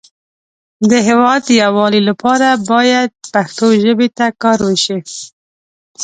د هیواد د یو والی لپاره باید پښتو ژبې ته کار وشی